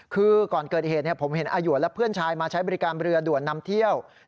คือก่อนเกิดเหตุผมเห็นอาหยวนและเพื่อนชายมาใช้บริการเรือด่วนนำเที่ยว